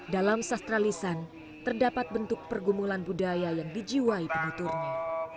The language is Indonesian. dalam sastralisan terdapat bentuk pergumulan budaya yang dijiwai penuturnya